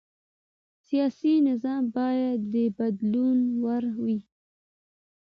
سیاسي نظام باید د بدلون وړ وي